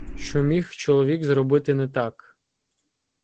Що міг чоловік зробити не так?